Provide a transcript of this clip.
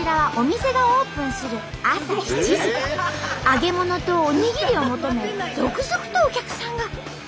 揚げ物とおにぎりを求め続々とお客さんが。